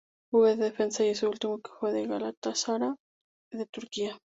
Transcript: Jugó de defensa y su ultimo equipo fue el Galatasaray de Turquía.